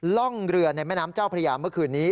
ล่องเรือในแม่น้ำเจ้าพระยาเมื่อคืนนี้